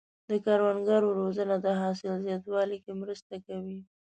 د کروندګرو روزنه د حاصل زیاتوالي کې مرسته کوي.